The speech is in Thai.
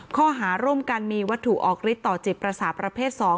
ข้อหาร่วมกันมีวัตถุออกฤทธิต่อจิตประสาทประเภท๒